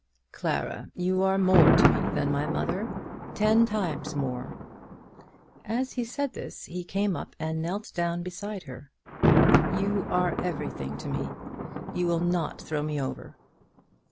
"Clara, you are more to me than my mother. Ten times more." As he said this he came up and knelt down beside her. "You are everything to me. You will not throw me over."